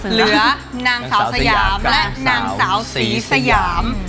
เหลือนางสาวสยามและนางสาวศรีสยาม